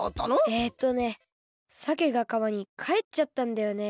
えっとねさけがかわにかえっちゃったんだよね。